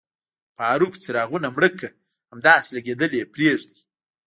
فاروق، څراغونه مړه کړه، همداسې لګېدلي یې پرېږدئ.